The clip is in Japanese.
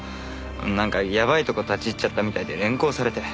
なんかやばいとこ立ち入っちゃったみたいで連行されて。